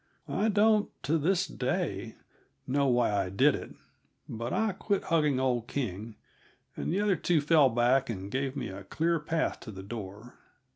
I don't, to this day, know why I did it, but I quit hugging old King, and the other two fell back and gave me a clear path to the door.